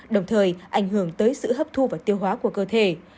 đồng thời ảnh hưởng tới sự hấp thu và tiêu hóa của cơ thể